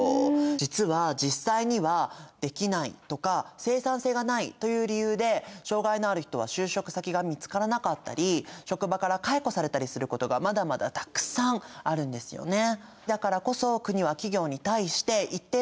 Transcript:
実は実際にはできないとか生産性がないという理由で障がいのある人は就職先が見つからなかったり職場から解雇されたりすることがまだまだたくさんあるんですよね。